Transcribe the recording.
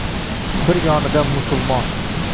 Bir yonidan musulmon.